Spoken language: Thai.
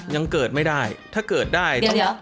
ยังเกิดไม่ได้ถ้าเกิดได้เดี๋ยว